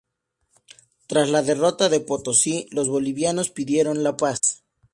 Tras la derrota de Potosí, los bolivianos pidieron la paz.